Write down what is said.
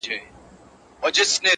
• هر لحد يې افتخاردی -